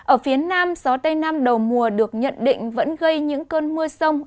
ở phía nam gió tây nam đầu mùa được nhận định vẫn gây những cơn mưa rông